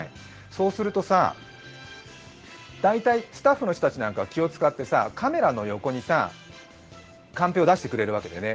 そうするとさ、大体スタッフの人たちなんか気を遣ってさ、カメラの横にさ、カンペを出してくれるわけだよね。